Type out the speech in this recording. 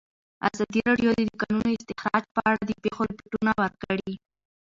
ازادي راډیو د د کانونو استخراج په اړه د پېښو رپوټونه ورکړي.